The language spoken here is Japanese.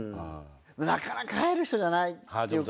なかなか会える人じゃないっていうか。